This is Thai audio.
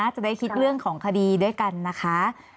จะได้คิดเรื่องของคดีด้วยกันนะคะ